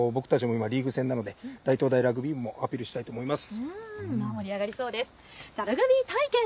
また僕たちもリーグ戦などで大学のラグビー部もアピールしたいなと思います。